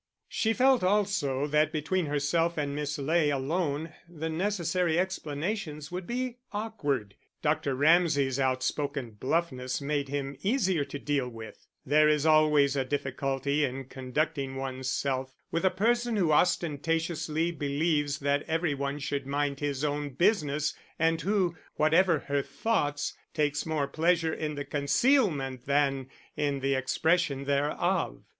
She felt also that between herself and Miss Ley alone the necessary explanations would be awkward. Dr. Ramsay's outspoken bluffness made him easier to deal with; there is always a difficulty in conducting oneself with a person who ostentatiously believes that every one should mind his own business and who, whatever her thoughts, takes more pleasure in the concealment than in the expression thereof.